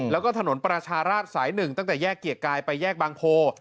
แล้วก็ถนนประชาราชสาย๑ตั้งแต่แยกเกียรติกายไปแยกบางโพ